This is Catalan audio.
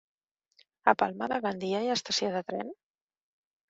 A Palma de Gandia hi ha estació de tren?